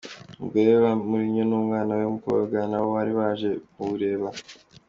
Umugore wa Mourinho n’umwana we w’umukobwa nabo bari baje kuwureba.